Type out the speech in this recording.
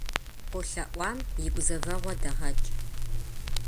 КъолъэӀуам и гузэвэгъуэ дэгъэкӀ.